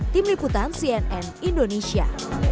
tim liputan cnn indonesia